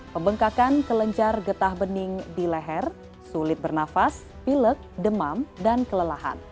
pembengkakan kelenjar getah bening di leher sulit bernafas pilek demam dan kelelahan